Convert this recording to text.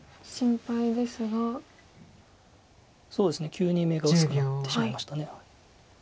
急に眼が薄くなってしまいました。